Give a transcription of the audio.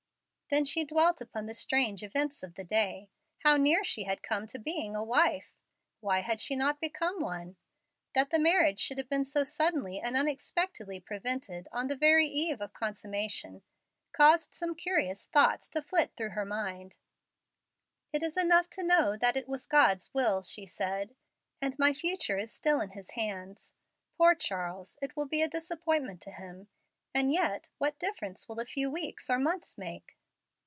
Then she dwelt upon the strange events of the day. How near she had come to being a wife! Why had she not become one? That the marriage should have been so suddenly and unexpectedly prevented on the very eve of consummation, caused some curious thoughts to flit through her mind. "It is enough to know that it was God's will," she said; "and my future is still in His hands. Poor Charles! it will be a disappointment to him; and yet what difference will a few weeks or months make?"